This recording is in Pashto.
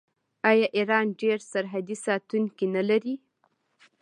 آیا ایران ډیر سرحدي ساتونکي نلري؟